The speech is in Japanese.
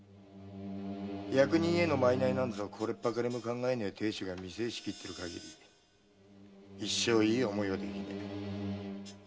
役人への賄なんぞこれっぱかりも考えねえ亭主が店を仕切ってるかぎり一生いい思いはできねえ。